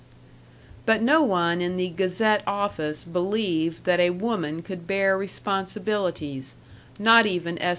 But no one in the Gazette office believed that a woman could bear responsibilities, not even S.